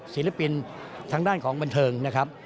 ศิลปินทางด้านของบันเทิงนะครับ